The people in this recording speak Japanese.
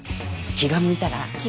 気が向いたら。